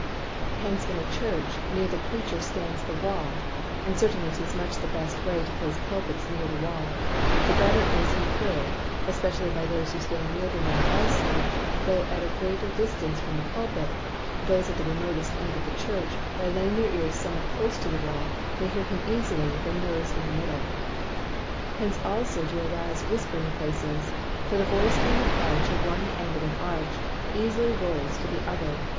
Hence in a Church, the nearer the Preacher stands to the Wall (and certainly 'tis much the best way to place Pulpits near the Wall) the better is he heard, especially by those who stand near the Wall also, though at a greater distance from the Pulpit; those at the remotest end of the Church, by laying their Ears somewhat close to the Wall, may hear him easier than those in the middle. Hence also do arise Whispering Places. For the Voice being apply'd to one end of an Arch, easily rowls to the other.